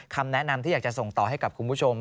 คำแนะนำที่อยากจะส่งต่อให้กับคุณผู้ชม